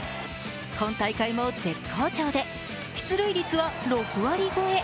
今大会も絶好調で出塁率は６割超え。